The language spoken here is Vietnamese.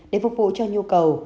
để phục vụ cho nhu cầu